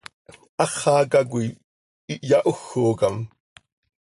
Háxaca coi ihyahójocam.